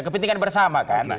kepentingan bersama kan